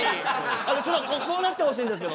あのちょっとこうなってほしいんですけどね。